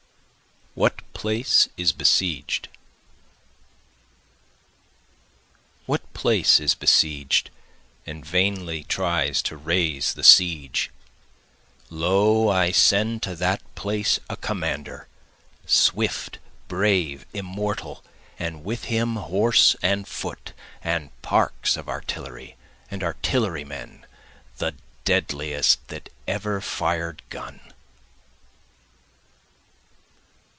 What Place Is Besieged? What place is besieged, and vainly tries to raise the siege? Lo, I send to that place a commander, swift, brave, immortal, And with him horse and foot, and parks of artillery, And artillery men, the deadliest that ever fired gun.